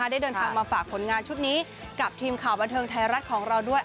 ได้เดินทางมาฝากผลงานชุดนี้กับทีมข่าวบันเทิงไทยรัฐของเราด้วย